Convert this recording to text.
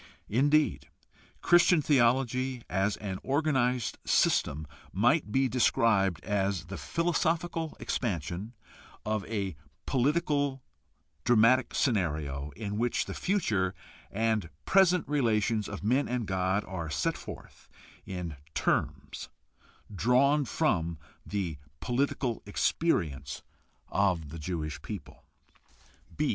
Indeed, Christian theology as an organized system might be described as the philosophical expansion of a political dramatic scenario in which the future and present relations of men and God are set forth in terms drawn from the political experience of the Jewish people.